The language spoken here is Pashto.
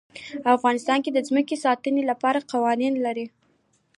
افغانستان د ځمکه د ساتنې لپاره قوانین لري.